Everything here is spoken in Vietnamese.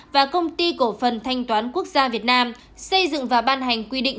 và công ty cổ phần thanh toán quốc gia việt nam xây dựng và ban hành quy định